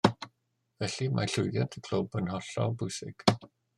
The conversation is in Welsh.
Felly mae llwyddiant y clwb yn hollol bwysig